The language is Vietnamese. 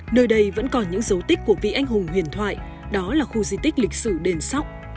nơi đây vẫn còn những dấu tích của vị anh hùng huyền thoại đó là khu di tích lịch sử đền sóc